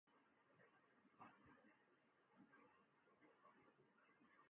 ایسا ہو تو انسان اس پہ غش ہی کھا سکتا ہے۔